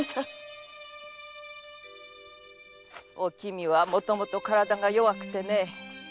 おきみはもともと体が弱くてね。